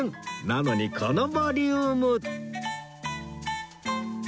なのにこのボリューム